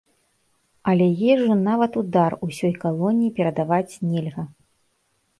Але ежу нават у дар ўсёй калоніі перадаваць нельга.